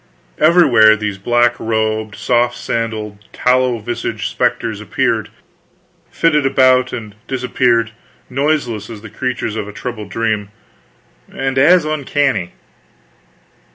Everywhere, these black robed, soft sandaled, tallow visaged specters appeared, flitted about and disappeared, noiseless as the creatures of a troubled dream, and as uncanny.